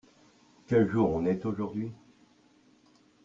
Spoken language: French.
Quel jour on est aujourd'hui ?